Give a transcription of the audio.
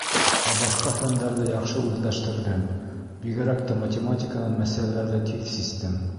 Ә башҡа фәндәрҙе яҡшы үҙләштерҙем, бигерәк тә математиканан мәсьәләләрҙе тиҙ систем.